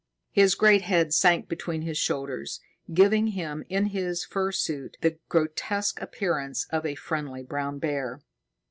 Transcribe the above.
His great head sank between his shoulders, giving him, in his fur suit, the grotesque appearance of a friendly brown bear.